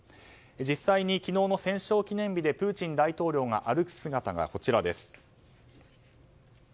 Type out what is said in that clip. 実際に昨日の戦勝記念日でプーチン大統領が歩く姿がこちらです。